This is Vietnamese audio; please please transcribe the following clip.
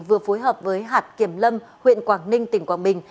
vừa phối hợp với hạt kiểm lâm huyện quảng ninh tỉnh quảng bình